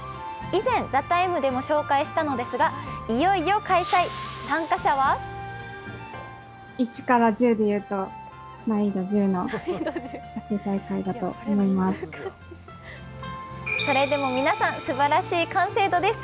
以前「ＴＨＥＴＩＭＥ，」でも紹介したのですが、いよいよ開催、参加者はそれでも皆さん、すばらしい完成度です。